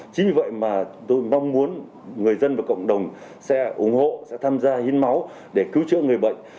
chính vì vậy mà tôi mong muốn người dân và cộng đồng sẽ ủng hộ sẽ tham gia hiến máu để cứu chữa người bệnh